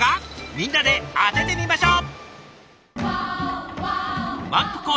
みんなで当ててみましょう！